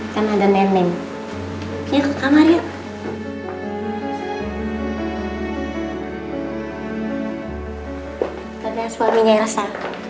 tadah suaminya elsa